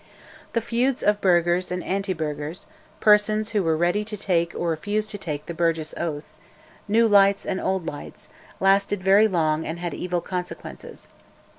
The feuds of Burghers and Antiburghers (persons who were ready to take or refused to take the Burgess oath), New Lights and Old Lights, lasted very long and had evil consequences.